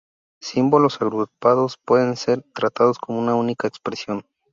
Símbolos agrupados pueden ser tratados como una única expresión.